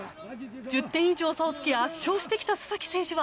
１０点以上差をつけ圧勝してきた須崎選手は。